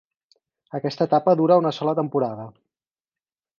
Aquesta etapa dura una sola temporada.